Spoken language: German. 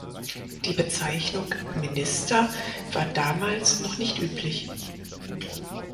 Die Bezeichnung „Minister“ war damals noch nicht üblich.